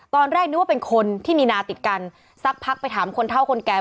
ตอนแรกนึกว่าเป็นคนที่มีนาติดกันสักพักไปถามคนเท่าคนแก่